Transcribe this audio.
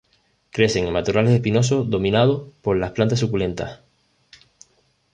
Crecen en matorrales espinosos dominado por las plantas suculentas.